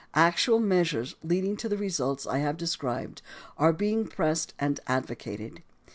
Actual meas ures leading to the results I have described are being pressed and advocated.